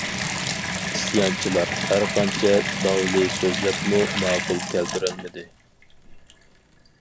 «ئىسيانچىلار» ھەرقانچە داۋلى سۆزلەپمۇ ماقۇل كەلتۈرەلمىدى.